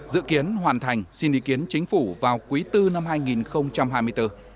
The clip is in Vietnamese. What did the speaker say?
dự kiến hoàn thành xin ý kiến chính phủ vào quý bốn năm hai nghìn hai mươi bốn